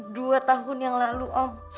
dua tahun yang lalu om